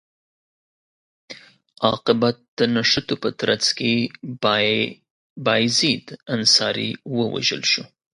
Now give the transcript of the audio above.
عاقبت د نښتو په ترڅ کې بایزید انصاري ووژل شو.